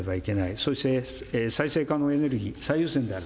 そして、再生可能エネルギー、最優先である。